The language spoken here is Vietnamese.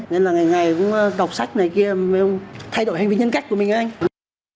nên là ngày ngày cũng đọc sách này kia thay đổi hành vi nhân cách của mình với anh